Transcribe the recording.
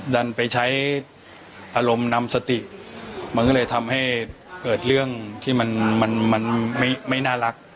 ดันไปใช้อารมณ์นำสติมันก็เลยทำให้เกิดเรื่องที่มันไม่น่ารัก